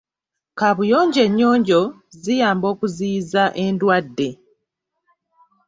Kaabuyonjo ennyonjo ziyamba okuziiyiza endwadde.